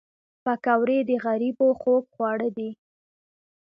پکورې د غریبو خوږ خواړه دي